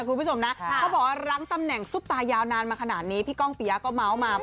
ก็บอกว่าร้างตำแหน่งสุบตายาวนานมาขนาดนี้พี่ก้องเปียก็เมา้วมา